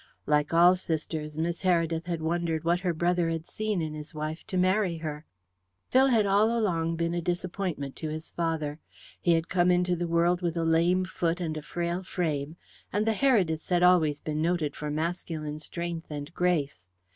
Like all sisters, Miss Heredith had wondered what her brother had seen in his wife to marry her. Phil had all along been a disappointment to his father. He had come into the world with a lame foot and a frail frame, and the Herediths had always been noted for masculine strength and grace.